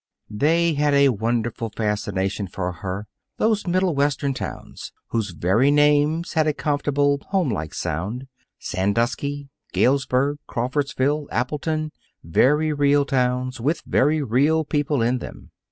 They had a wonderful fascination for her, those Middle Western towns, whose very names had a comfortable, home like sound Sandusky, Galesburg, Crawfordsville, Appleton very real towns, with very real people in them.